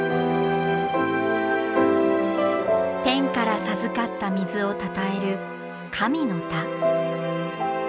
天から授かった水をたたえる「神の田」。